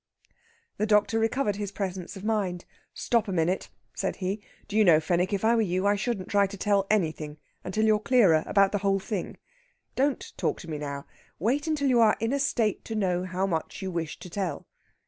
The doctor recovered his presence of mind. "Stop a minute," said he. "Do you know, Fenwick, if I were you I shouldn't try to tell anything until you're clearer about the whole thing. Don't talk to me now. Wait till you are in a state to know how much you wish to tell."